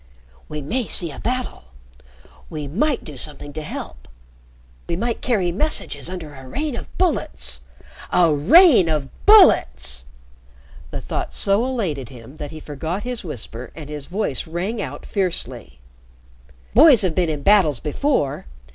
"We may see a battle. We might do something to help. We might carry messages under a rain of bullets a rain of bullets!" The thought so elated him that he forgot his whisper and his voice rang out fiercely. "Boys have been in battles before.